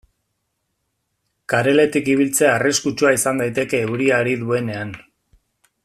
Kareletik ibiltzea arriskutsua izan daiteke euria ari duenean.